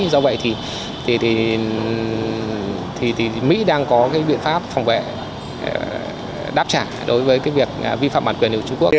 do vậy thì mỹ đang có cái biện pháp phòng vệ đáp trả đối với việc vi phạm bản quyền của trung quốc